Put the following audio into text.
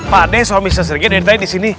pak d soh mrs regi dendai disini